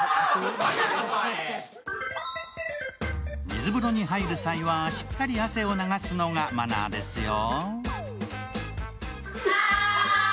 水風呂に入る際はしっかり汗を流すのがマナーですよ。